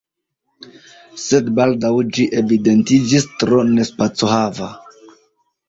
Sed baldaŭ ĝi evidentiĝis tro nespacohava.